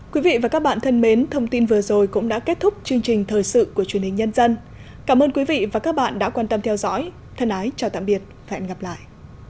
quý vị và các bạn thân mến thông tin vừa rồi cũng đã kết thúc chương trình thời sự của truyền hình nhân dân cảm ơn quý vị và các bạn đã quan tâm theo dõi thân ái chào tạm biệt và hẹn gặp lại